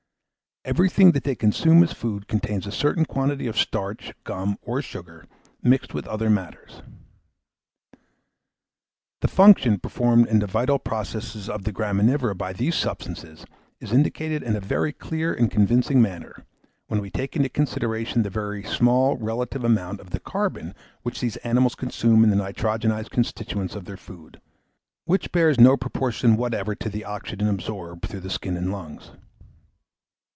Everything that they consume as food contains a certain quantity of starch, gum, or sugar, mixed with other matters. The function performed in the vital process of the graminivora by these substances is indicated in a very clear and convincing manner, when we take into consideration the very small relative amount of the carbon which these animals consume in the nitrogenised constituents of their food, which bears no proportion whatever to the oxygen absorbed through the skin and lungs.